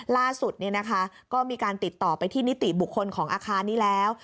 ล่าสุดก็มีการติดต่อไปที่นิติบุคคลของอาคารนี้แล้ว